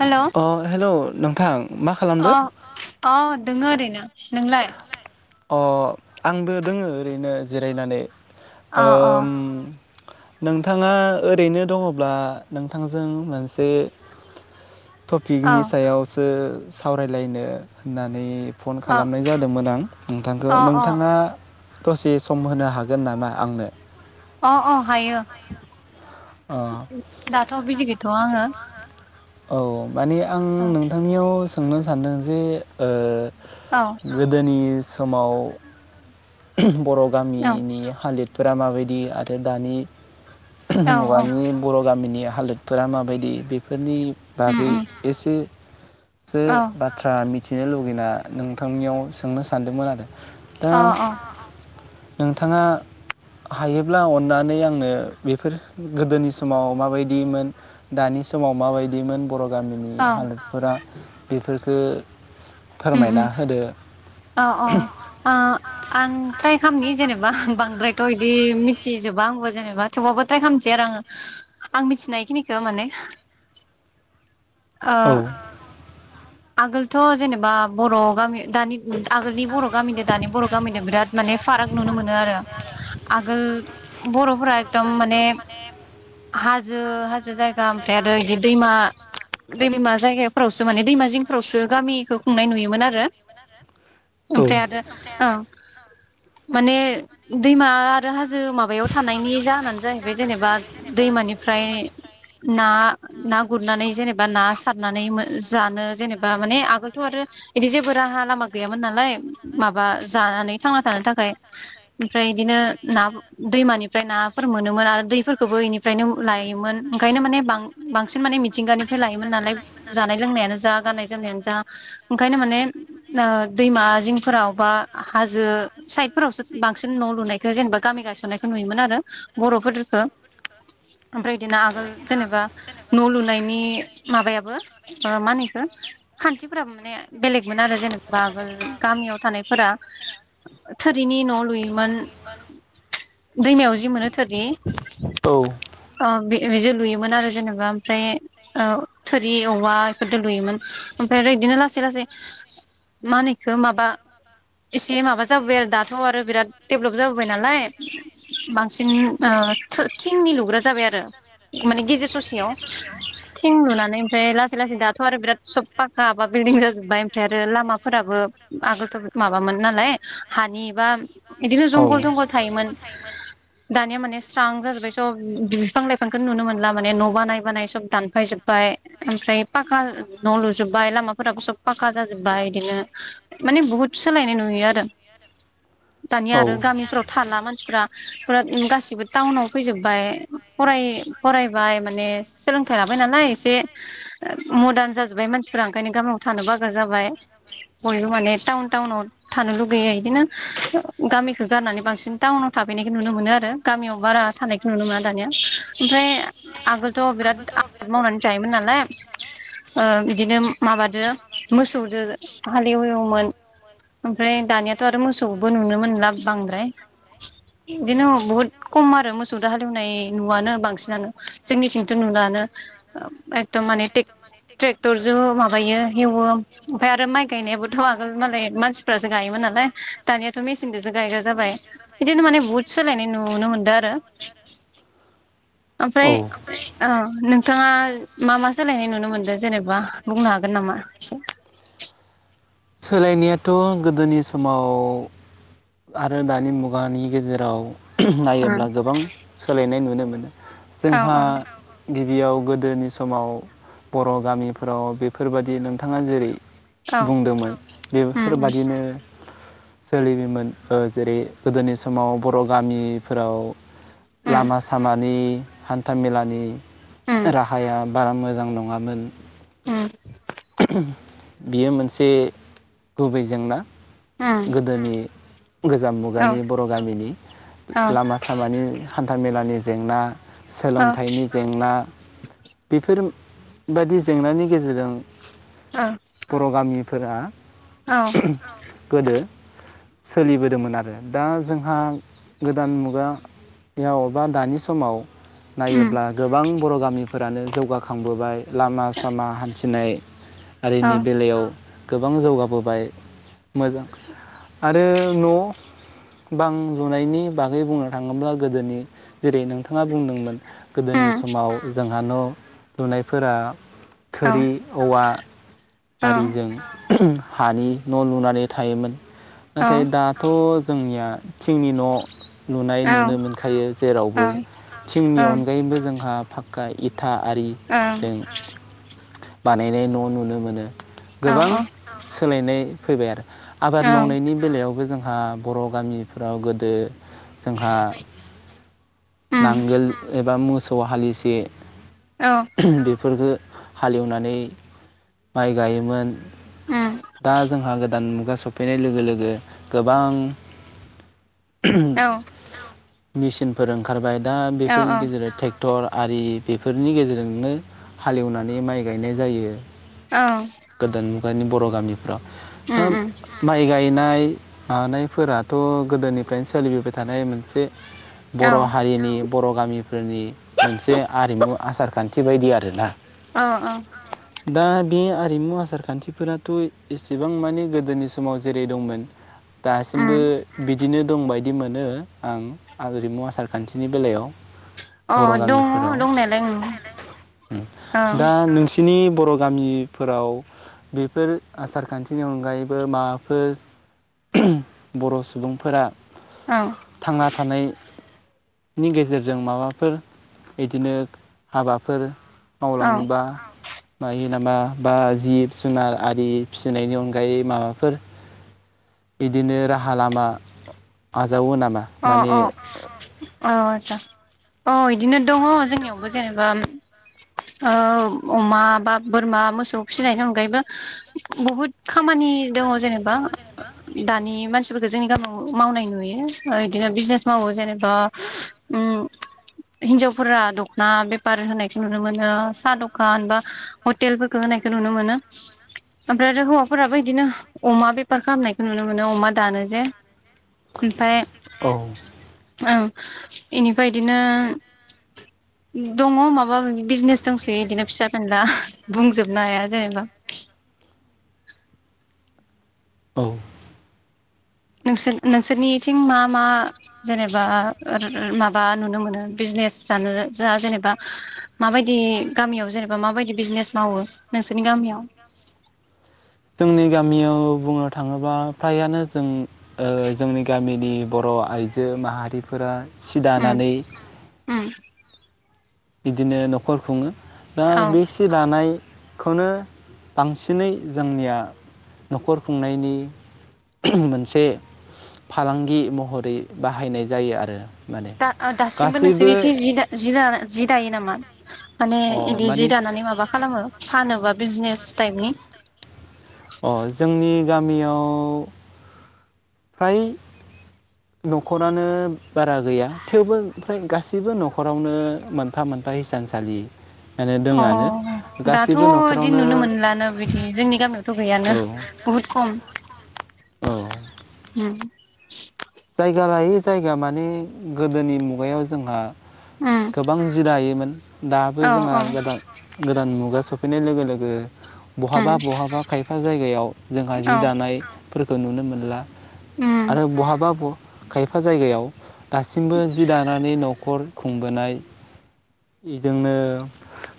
Hello अ हेल नोंथां मा अ खालामदो? अ दोङो ओरैनो नोंलाय? अ आंबो दोङो ओरैनो जिरायनानै । अ ओ अ औ नोंथांङा ओरैनो दङब्ला नोंथांजों मोनसे अ टपिकनि सायाव बो सावरायलायनो होननानै फन अ खालामनाय दोंमोन आं नोंथांखो अ नोंथाङा दसे सम होनो हागोन नामा आंनो अ अ हायो अ दाथ बिजि गैयथ आ आं ङो औ माने आं नोंथांनियाव सोंनो सान्दों जे ओ गोदनि समाव बर' औ गामिनि हालोद फोरा माबायदि आरो दानि औ औ मुगानि बर'गामिनि हालोदफोरा माबायदि बेफोरनि उम बागै उम एसे सो औ बाथ्रा मि थिनो लुगैना नोंथांनियाव सोंनो सान्दोंमोन आरो। दा अ अ नोंथांङा हायोब्ला अननानै आंनो बेफोर गोदोनि समाव माबायदिमोन दानि समाव माबाय दिमोन बर' गामिनि औ हालोदफोरा बेफोरखो अम अम औ औ ओ आं ट्राय खामनि जेनेबा बांद्रायथ बिदि मिथिजोबा आंबो जेनेबा थेवबाबो ट्राय खामनोसै आरो आंङो आं मिथिनायखिनिखौ माने ओ औ आगोलथ जेनेबा बर'गामि दानि आगोलनि बर'गामिदो दानि बर'गामिदो बिराद माने फाराग नुनो मोनो आरो आगोल बर'फोरा एकदम माने हाजो-हाजो जायगा ओमफ्राय आरो बिदि दैमा-दैमा जायगाफोरावसो माने दैमा जिं फोरावसो गामिखो खुंनाय नुयोमोन आरो। ओमफ्राय आरो ओं माने दैमा आरो हाजो माबायाव थानायनि जाहोनानो जाहैबाय जेनेबा दैमानिफ्राय ना-ना गुरनानै जेनेबा ना सारनानै जानो जेने बा माने आगोलथ आरो बिदि जेबो राहा लामा गैयामोन नालाय माबा जानानै थांना थानो थाखाय ओमफ्राय बिदिनो ना दैमानिफ्राय नाफोर मोनोमोन आरो दैफोरखौबो इनिफ्रायनो लायोमोन ओंखायनो माने बांसिन माने मिथिंगानिफ्राय लायोमोन नालाय जानाय लोंनायानो जा गाननाय जो मनायानो जा ओंखायनो माने दैमा जिंफोराव बा हाजो साइदफोरावसो बांसिन न लुनायखौ जेनेबा गामि गायसननायखौ नुयोमोन आरो बर'फोरफोरखो ओमफ्राय बिदिनो आगोल जेनेबा न लुनायनि माबायाबो माहोनो इखौ खान्थिफोरा माने बेलेगमोन आरो जेनेबा आगोल गामियाव थानायफोरा थोरिनि न लुयोमोन दैमायाव जि मोनो थोरि औ बेजों लुयोमोन आरो जेनेबा ओमफ्राय थोरि औवा इफोरदो लुयोमोन। ओमफ्राय आरो बिदिनो लासै-लासै माहोनो इखो माबा एसे माबा जाबोबाय आरो दाथ आरो बिराद देब्लब जाबोबाय नालाय बांसिन थिंनि लुग्रा जाबाय आरो माने गेजेर ससेयाव थिं लुनानै ओमफ्राय लासै-लासै दाथ आरो बिराद सब पाका बा बिलदिं जाजोबबाय ओमफ्राय आरो लामाफोराबो आगोलथ माबामोन नालाय हानि बा बिदिनो औ जंगल थंगल थायोमोन दानिया माने स्रां जाजोबबाय सब बिफां लायफांखौ नुनो मोनला माने न' बानाय-बानाय सब दानफायजोबबाय ओमफ्राय पाका न'लुजो जोबबाय लामाफोराबो सब फाका जाजोबबाय बिदिनो माने बुहुद सोलायनाय नुयो आरो। दानिया आरो गामिफ्राव थाला मानसि फ्रा गासिबो टाउनाव फैजोबबाय फराय फरायबाय माने सोलोंथाइ लाबाय नालाय एसे मदार्न जाजोब्बाय मानसि फोरा ओंखायनो गामियाव थानो बाग्रा जाबाय बयबो माने टाउन टाउनाव थानो लुगैयो इदिनो गामिखौ गारनानै बांसिन टाउनाव थाफैनायखौ नुनो मोनो आरो गामियाव बारा थानायखौ नुनो मोना दानिया ओमफ्राय आगोलथ' बिराद आबाद मावनानै जायोमोन नालाय ओ बिदिनो माबादो मोसौजों हालेववोमोन ओमफ्राय दानियाथ' आरो मोसौबो नुनो मोनला बांद्राय बिदिनो बहुद खम आरो मोसौजों हालेवनाय नुआनो बांसिनानो जोंनिथिंथ' नुलानो एखदम मानेे टेक ट्रेक थरजो माबायो हेवो ओमफफ्राय आरो माइ गायनायाबोथ' आगोल मालाय मानसिफोरासो गायोमोन नालाय दानियाथ' मेसिनजोंसो गायग्रा जाबाय बिदिनो माने बुहुद सोलायनाय नुनो मोनदों आरो ओमफ्राय औ ओ नोंथाङा मा मा सोलायनाय नुनो मोनदों जेनेबा बुंनो हागोन नामा एसे? सोलायनायाथ' गोदोनि समाव आरो दानि मुगानि गेजेराव उम नायोब्ला गोबां सोलायनाय नुनो मोनो। औ जोंहा गिबियाव गोदोनि समाव बर' गामिफोराव बेफोरबाददि नोंथाङा जेरै- औ बुंदोंमोन उम बेफोरबादिनो सोलियोमोन ओ जेरै- गोदोनि समाव बर' गामिफोराव उम लामा सामानि हान्था मेलानि उम राहाया बारा मोजां नङामोन। द [inaudible] [unintelligible] बियो मोनसे गुबै जेंना उम गोदोनि गोजाम औ मुगानि बर' गामिनि औ लामा सामानि हानथ थामेलानि जेंना औ सोलोंथाइनि जेंना बेफोर बायदि जेंनानि गेजेरजों ओ फोरा [unintelligible] गोदो सोलिबोदोंमोन आरो दा जोंहा गोदान मुगायाव बा दानि समाव उम नायोब्ला गोबां बर' गामिफोरानो जौगाखांबोबाय लामा सामा हान्थिनाय अ आरिनि बेलायाव गोबां जौगाबोबाय मोजां आरो न' बां लुनायनि बागै बुंनो थाङोब्ला गोदोनि जेरै- नोंथाङा बुंदोंमोन गोदोनि दङ समाव जों दा न' लुनायफोरा दंनायालाय थोरि वा ओं आरिजों हानि न' लुनानै थायोमोन। औ नाथाय दाथ' जोंनिया थिंनि न' लुनाय नुनो औ मोनखायो अ जेरावबो थिंनि अ अनगायैबो जोंहा फाक्का इथ था अ आरिजों बानायनाय न' नुनो मोनो। गोबां सोलायनाय फैबाय आरो आबाद मावनायनि बेलायावबो जों ओ बर गामिफ्राव गोदो जोंहा नांगोल एबा मोस सौ हालिसे बेफोरखो हालेवनानै माइ गायोमोन दा जोंहा गोदान मु गा सफैनाय लोगो लोगो गोबां औ मिसिनफोर ओंखारबाय दा बेफोरनि गेजेराव ट्रेक्ट टर आरि बेफोरनि गेजेरजोंनो हालेवनानै माइ गायनाय जायो। औ गानि बर' गामि माइ गायनाय मानायफोराथ' गोदोनिफ्रायनो सोलिबोबाय थानाय मोनसे बर' हारिनि बर' गामिफोरनि मोनसे आरिमु आसार खान्थि बायदि आरोना दा बे आर रिमु आसार खान्थिफोरा थ एसेबां माने गोदोनि समाव जेरै दंमोन दासिमबो बिदिनो दंबाय बिदि मोनो आं आरिमु आसार खान्थिनि बेलायाव। बर' गामिफोराव दा नोंसिनि बर' गामिफोराव बे फोर आसार खान्थिनि अनगायैबो माबाफोर बर' सुबुंफोरा थांना थानाय नि गेजेरजों माबाफोर बिदिनो हाबाफोर मावलाङोबा मायो नामा बा जिब जुनार आरि फिसिनायनि अनगायै माबाफोर बिदिनो राहा लामा आज अ अ औ आदसा। अ इदिनो दङ जोंनियावबो जेनोबा ओ अमा बा बोरमा मोसौ फिनायनि अनगायैबो बुहुद खामानि दङ जेनेबा दानि मानसिफोरखौ जोंनि गामियाव मावनाय नुयो। ओ इदिनो बिजनेस मावो जेनेबा ओम हिनजावफोरा दखना बेपार होनायखौ नुनो मोनो, सा दखान बा हटेलफोरखो होनायखौ नुनो मोनो। ओमफ्राय आरो हौवाफोराबो इदिनो अमा बेफार खालामनायखो नुनो मोनो, अमा दानो जे ओमफाय औ। ओं इनिफ्राय इदिनो दङ माबा माबि बिजनेस दोंसोयो इदिनो फिसा फेनला बुंजोबनो हाया जेनोबा औ। नोंसोर-नोंसोरनिथिं मा मा जेनेबा माबा नुनो मोनो बिजनेस जानो जा जेनेबा माबायदि गामियाव जेनेबा माबायदि बिजनेस मावो नोंसोरनि गामियाव? जोंनि गामियाव बुंनो थाङोबा फ्रायानो जों ओ जोंनि गामिनि बर' आइजो माहारिफोरा सि उम दानानै उम। बिदिनो न'खर खुङो। दा औ बे सि दानाय खौनो बांसिनै जोंनिया न'खर खुंनायनि मोनसे फालांगि महरै बाहायनाय जायो आरो माने दा ओ दासिमबो गासैबो नोंसोरनिथि जि दा जि दानो जि दायो नामा? माने अ इन्दि जि माने दानानै माबा खालामो फानोबा बिजनेस टाइबनि अ जोंनि गामियाव फ्राय न'खरानो बारा गैया थेवबो फ्राय गासैबो न'खरावनो मोनफा मोनफा हिसानसालि माने अ दङआनो दाथ' गासैबो इदि न'खरावनो नुनो मोनलानो बिदि जोंनि गामियाव थ' औ गैयानो बुहुद खम औ ओम जायगा लायै जायगा माने गोदोनि मुगायाव जोंहा उम गोबां जि दायोमोन दाबो औ जोंहा औ गोदान गोदान मुगा सफ नाय लोगो लोगो बहाबा उम बहाबा खायफा जायगायाव जोंहा औ जि दानाय फोरखौ नुनो मोनला। उम आरो बहाबा खायफा जायगायाव दासिमबो जि दानानै नखर खुंबोनाय इजोंनो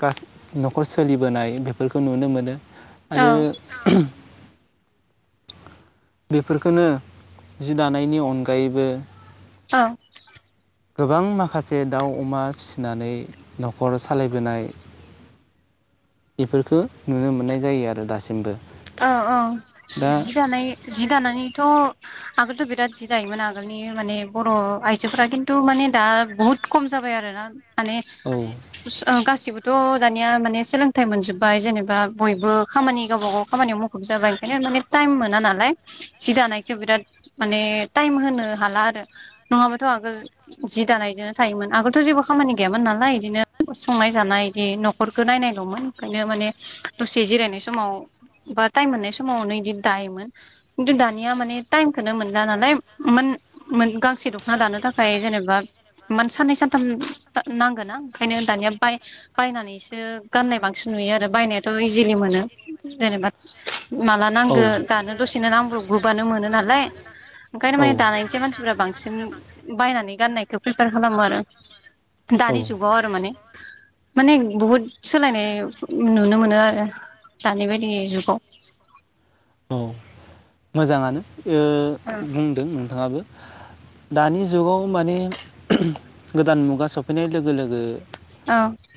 गासै नखर सोलिबोनाय बेफोरखौ नुनो मोनो। औ आरो बेफोरखोनो जि दानायनि अनगायैबो औ गोबां माखासे दाउ अमा फिसिनानै नखर सालायबोनाय बेफोरखो नुनो मोननाय जायो आरो दासिमबो। औ औ दा जि दानाय जि दानानैथ आगोलथ' बिराद जि जायोमोन आगोलनि माने बर' आइजोफोरा खिन्थु माने दा बहुद खम जाबाय आरोना माने औ गासिबो थ दानिया माने सोलोंथाइ मोनजोब्बाय जेनेबा बयबो खामानि गावबा गाव खामानियाव मुखुब जाबाय ओंखायनो माने टाइम मोना नालाय जि दानायखो बिराद माने टाइम होनो हाला आरो नङाबाथ आगोल जि दानायजोंनो थायोमोन आगोलथ जेबो खामानि गैयामोन नालाय बिदिनो संनाय जानाय बिदि न'खरखो नायनायलमोन ओंखायनो माने दसे जिरायनाय समाव बा टाइम मोननाय समावनो बिदि दायोमोन खिन्थु दानिया माने टाइमखौनो मोनला नालाय म गांसे दखना दानो थाखाय जेनेबा मान साननै सानथाम नांगोना ओंखायनो दानिया बाय बायनानैसो गाननाय बांसिन नुयो आरो बायनायाथ इजिलि मोनो। देनबाद माला औ नांगो दानो दसेनो नांब्रब गोबानो मोनो नालाय ओंखायनो औ माने दानायनिसाय मानसिफ्रा बांसिन बायनानै गाननायखौ प्रिफेयार खालामो आरो दानि जुगाव आरो माने माने बहुद सोलायनाय नुनो मोनो आरो। दानिबायदि जुगाव औ मोजाङानो ओ बुंदों नाङाबो दानि जुगाव माने ओहोम गोदान मुगा सफैनाय लोगो लोगो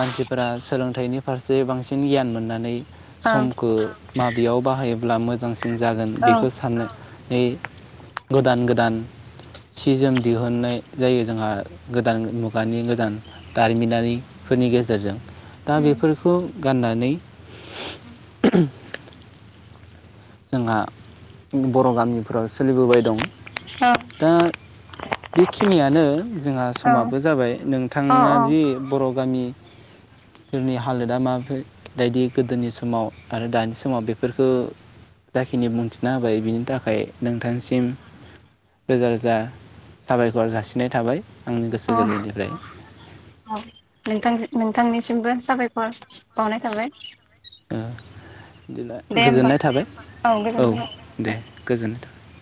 मानसिफोरा सोलोंथाइनि फारसे बांसिन गियान मोननानै समखौ माबेयाव बाहायोब्ला मोजांसिन जागोन बे साननानै गोदान गोदान सि जोम दिहुनन्नाय जायो जोंहा गोदान मुगानि गोदान दारिमिनारिफोरनि गेजेरजों। दा बेफोरखौ गाननानै ओहोम जोंहा बर गामिफोराव सोलिबोबाय दं। औ औ दा बेखिनियानो जोंहा औ समाबो जाबाय औ नोंथाङा औ जि बर गामिफोरनि हालोदा माफोरबायदि गोदोनि समाव आरो दानि समाव बेफोरखो जाखिनि बुंथिना होबाय बिनि थाखाय नोंथांसिम रोजा रोजा साबायखर जासिनाय थाबाय। आंनि गोसो अ गोरबोनिफ्राय अ नोंथांन नोंथांनिसिमबो साबायखर बावनाय थाबाय बिदिब्ला दे होमबा गोजोननाय थाबाय औ दे गोजोननाय थाबाय ।